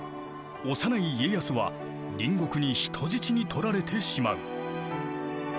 幼い家康は隣国に人質にとられてしまう。